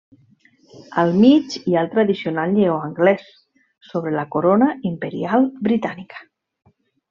Al mig hi ha el tradicional lleó anglès, sobre la corona imperial britànica.